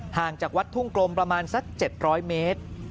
จากวัดทุ่งกลมประมาณสัก๗๐๐เมตร